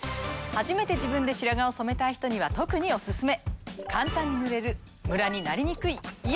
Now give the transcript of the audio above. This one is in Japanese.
初めて自分で白髪を染めたい人には特にオススメ！